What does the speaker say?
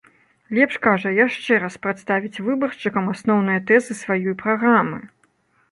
Лепш, кажа, яшчэ раз прадставіць выбаршчыкам асноўныя тэзы сваёй праграмы.